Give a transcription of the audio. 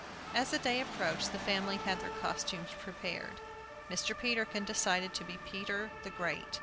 As the day approached the family had their costumes prepared. Mr. Peterkin decided to be Peter the Great.